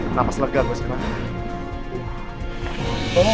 nafas lega gue sekarang